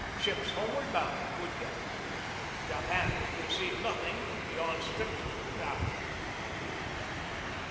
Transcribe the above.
Ships homeward bound could get them. Japan would concede nothing beyond strict neutrality."